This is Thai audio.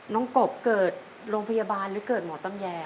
กบเกิดโรงพยาบาลหรือเกิดหมอตำแย